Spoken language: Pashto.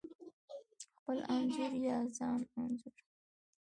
خپل انځور یا ځان انځور: